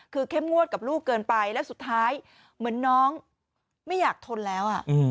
คือเข้มงวดกับลูกเกินไปแล้วสุดท้ายเหมือนน้องไม่อยากทนแล้ว